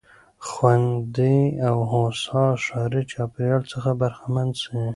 خوندي او هوسا ښاري چاپېريال څخه برخمن سي.